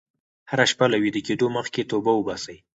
هره شپه له ویده کېدو مخکې توبه وباسئ.